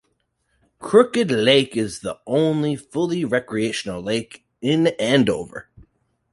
Crooked Lake is the only fully recreational lake in Andover.